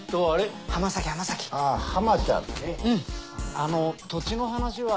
あの土地の話は。